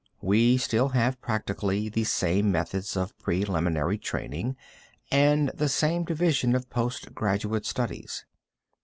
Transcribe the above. We still have practically the same methods of preliminary training and the same division of post graduate studies.